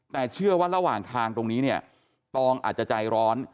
แต่เชื่อว่าระหว่างทางตรงนี้เนี่ยตองอาจจะใจร้อน